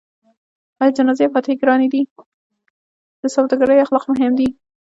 د سوداګرۍ اخلاق مهم دي